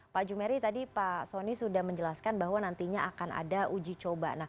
pak jumeri tadi pak soni sudah menjelaskan bahwa nantinya akan ada uji coba